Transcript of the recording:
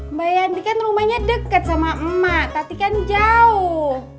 mbak yanti kan rumahnya dekat sama emak tapi kan jauh